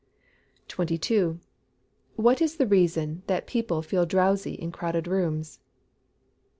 22. _What is the reason that people feel drowsy in crowded rooms?